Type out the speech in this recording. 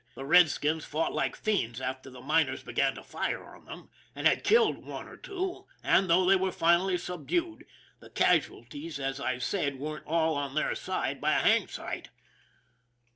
The redskins fought like fiends after the miners began to fire on them and had killed one or two, and, though they were finally subdued, the casualties, as I've said, weren't all on their side by a hanged sight.